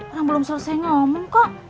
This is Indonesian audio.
orang belum selesai ngomong kok